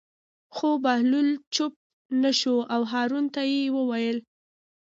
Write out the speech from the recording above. خو بهلول چوپ نه شو او هارون ته یې وویل.